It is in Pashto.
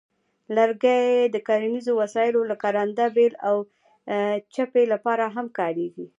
لرګي د کرنیزو وسایلو لکه رنده، بیل، او چپې لپاره هم کارېږي.